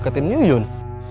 ijin buat dekatin yuyun